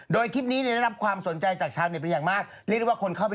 บอกได้เลยว่ามัดหนักมากตรงนี้